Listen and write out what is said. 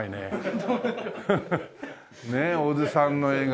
ねえ小津さんの映画